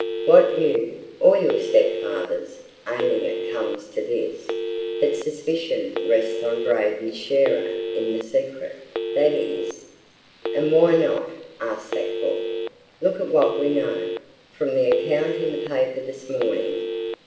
"What you or your stepfather's aiming at comes to this, that suspicion rests on Braden's sharer in the secret. That it?" "And why not?" asked Sackville. "Look at what we know from the account in the paper this morning.